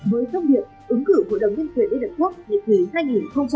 với thông điệp ứng cử hội đồng nhân quyền liên hợp quốc